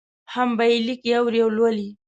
هم به یې لیکي، اوري او لولي.